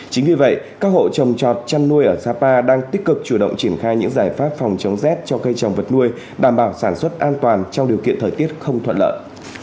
chính vì vậy các hộ trồng trọt chăn nuôi ở sapa đang tích cực chủ động triển khai những giải pháp phòng chống rét cho cây trồng vật nuôi đảm bảo sản xuất an toàn trong điều kiện thời tiết không thuận lợi